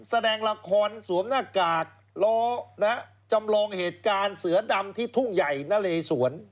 แสดงละครสวมหน้ากากล้อจำลองเหตุการณ์เสือดำที่ทุ่งใหญ่นะเลสวน